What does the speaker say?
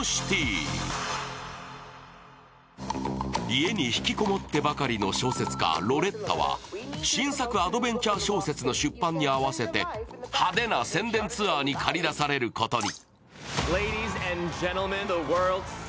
家に引きこもってばかりの小説家・ロレッタは新作アドベンチャー小説の出版に合わせて派手な宣伝ツアーにかり出されることに。